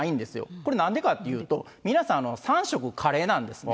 これなんでかっていうと、皆さん、３色カレーなんですね。